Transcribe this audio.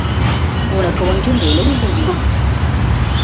உனக்கு ஒன்றும் வேலையில்லையே!